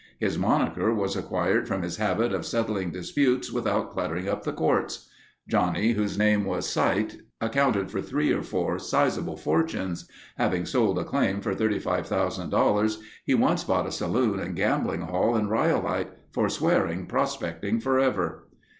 His moniker was acquired from his habit of settling disputes without cluttering up the courts. Johnny, whose name was Cyte, accounted for three or four sizable fortunes. Having sold a claim for $35,000 he once bought a saloon and gambling hall in Rhyolite, forswearing prospecting forever.